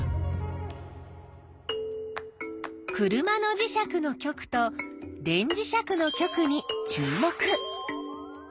車の磁石の極と電磁石の極に注目！